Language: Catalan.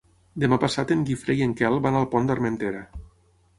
Demà passat en Guifré i en Quel van al Pont d'Armentera.